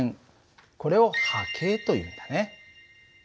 これを波形というんだね。